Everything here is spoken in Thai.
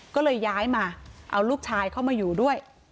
ก็เลยย้ายมาเอาลูกชายเข้ามาอยู่ด้วย